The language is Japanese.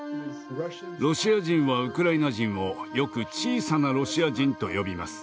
ロシア人はウクライナ人をよく「小さなロシア人」と呼びます。